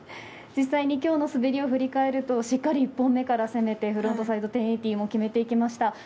実際に今日の滑りを振り返るとしっかり１本目から攻めてフロントサイド１０８０も決めました。